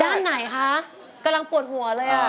ด้านไหนคะกำลังปวดหัวเลยอ่ะ